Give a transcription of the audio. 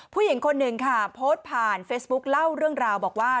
ผู้หญิงคนหนึ่งค่ะโพสต์ผ่านเฟซบุ๊คเล่าเรื่องราวบอกว่า